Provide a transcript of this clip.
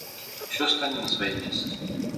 Усё стане на свае месцы.